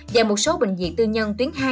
và một số bệnh viện tư nhân tuyến hai